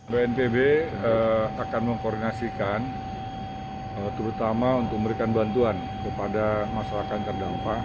bnpb akan mengkoordinasikan terutama untuk memberikan bantuan kepada masyarakat terdampak